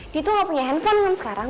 dia tuh gak punya handphone kan sekarang